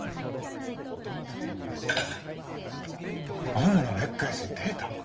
アンナのネックレスにデータ？